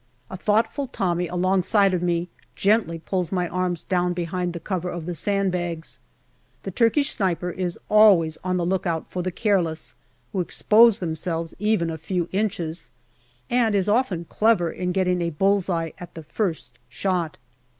A thoughtful Tommy alongside of me gently pulls my arms down behind the cover of the sand bags. The Turkish sniper is always on the lookout for the careless, who expose themselves even a few inches, and is often clever in getting a bull's eye AUGUST 195 at the first shot.